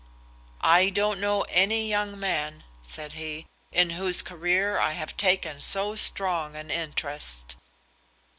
"I don't know any young man," said he, "in whose career I have taken so strong an interest."